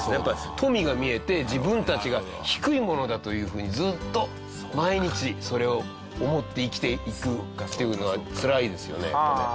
富が見えて自分たちが低い者だというふうにずっと毎日それを思って生きていくっていうのはつらいですよねやっぱね。